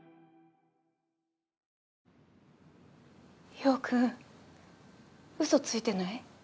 陽君嘘ついてない？